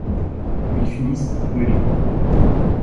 Ils finissent brûlés.